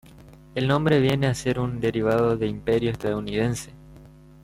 El nombre viene a ser un derivado de "Imperio estadounidense".